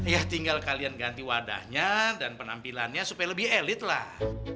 ya tinggal kalian ganti wadahnya dan penampilannya supaya lebih elit lah